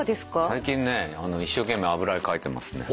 最近ね一生懸命油絵描いてますね。